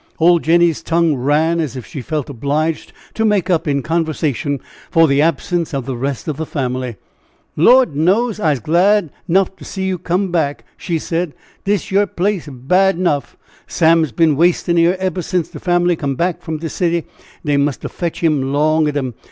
Old Jenny's tongue ran as if she felt obliged to make up in conversation for the absence of the rest of the family. "Lord knows, I'se glad 'nough you'se comed back," she said; "dis yer place is bad 'nough. Sam's been waystin' here eber since de fam'ly come from de city dey must o' fetch him long o' dem.